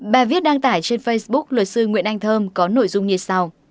bài viết đăng tải trên facebook luật sư nguyễn anh thơm có nội dung như sau